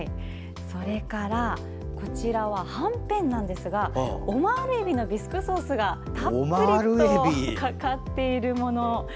こちらははんぺんなんですがオマールえびのビスクソースがたっぷりとかかっているもの。